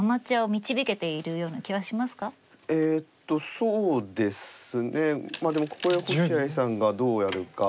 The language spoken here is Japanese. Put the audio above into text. そうですねまあでもここで星合さんがどうやるか。